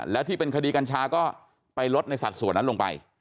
แล้วที่เป็นคดีกัญชาก็ไปลดในสัดส่วนนั้นลงไป